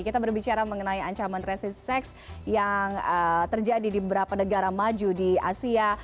kita berbicara mengenai ancaman resesi seks yang terjadi di beberapa negara maju di asia